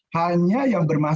hanya yang bermasalah